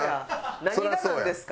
何がなんですか？